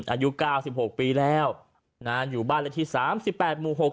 อายุเก้าสิบหกปีแล้วนะฮะอยู่บ้านละที่สามสิบแปดหมู่หก